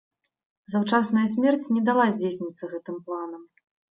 Заўчасная смерць не дала здзейсніцца гэтым планам.